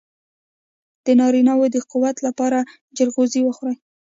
د نارینه وو د قوت لپاره چلغوزي وخورئ